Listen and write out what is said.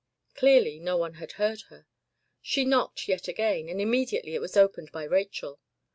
Clearly no one had heard her. She knocked yet again, and immediately it was opened by Rachel.